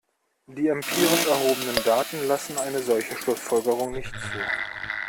Die empirisch erhobenen Daten lassen eine solche Schlussfolgerung nicht zu.